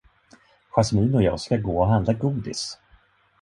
Jasmine och jag ska gå och handla godis.